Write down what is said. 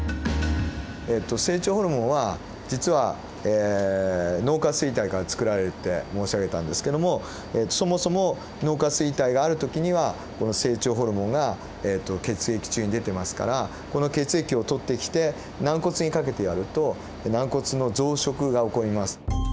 成長ホルモンは実は脳下垂体からつくられるって申し上げたんですけどもそもそも脳下垂体がある時にはこの成長ホルモンが血液中に出てますからこの血液を採ってきて軟骨にかけてやると軟骨の増殖が起こります。